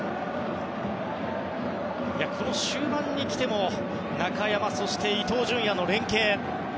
この終盤にきて中山と伊東純也の連係。